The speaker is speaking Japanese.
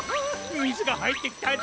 みずがはいってきたぞ！